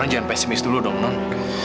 nona jangan pesimis dulu dong non